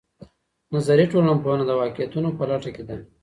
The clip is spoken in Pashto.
نظري ټولنپوهنه د واقعيتونو په لټه کې ده.